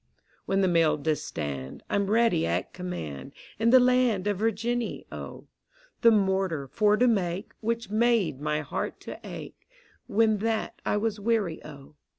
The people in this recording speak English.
When the Mill doth stand, I'm ready at command. In the land of Virginny, O: The Mortar for to make. Which made my heart to ake, When that I was weary, O.